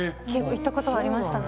言ったことはありましたね。